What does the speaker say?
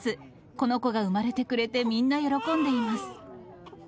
この子が産まれてくれてみんな喜んでいます。